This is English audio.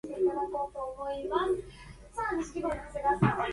During this period Prince referred to his band as the Revolution.